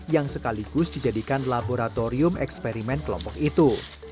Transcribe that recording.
yang sekaligus dijadikan laboratorium eksperimen kelompok itu